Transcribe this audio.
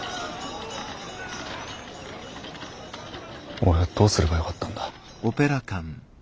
俺はどうすればよかったんだ。